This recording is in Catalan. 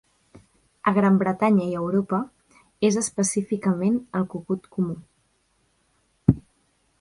A Gran Bretanya i Europa, és específicament el cucut comú.